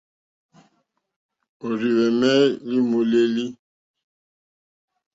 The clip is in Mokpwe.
Òrzìhwɛ̀mɛ́ î lé môlélí.